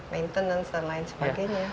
maintenance dan lain sebagainya